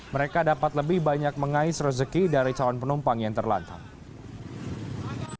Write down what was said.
mereka dapat lebih banyak mengais rezeki dari calon penumpang yang terlantar